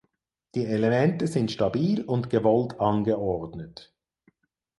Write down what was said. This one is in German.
Die Elemente sind stabil und gewollt angeordnet.